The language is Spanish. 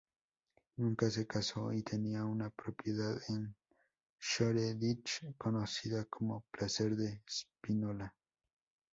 Nunca se casó y tenía una propiedad en Shoreditch conocida como "placer de Spinola".